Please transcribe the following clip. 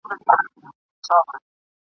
واکمن به نامحرمه د بابا د قلا نه وي !.